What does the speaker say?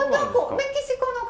メキシコの方。